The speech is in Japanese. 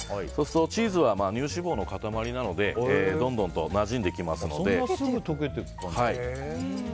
チーズは乳脂肪の塊なのでどんどんなじんできますので。